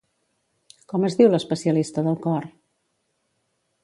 Com es diu l'especialista del cor?